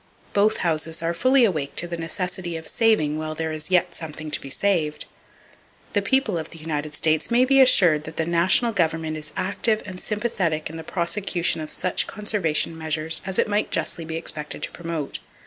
Both houses are fully awake to the necessity of saving while there is yet something to be saved. The people of the United States may be assured that the national government is active and sympathetic in the prosecution of such conservation measures as it might justly be expected to promote.